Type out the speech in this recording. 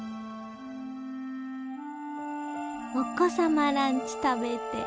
お子様ランチ食べて。